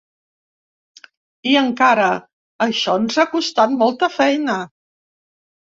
I encara: Això ens ha costat molta feina.